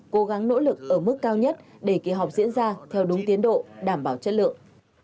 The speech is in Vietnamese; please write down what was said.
cố gắng nỗ lực ở mức cao nhất để kỳ họp diễn ra theo đúng tiến độ đảm bảo chất lượng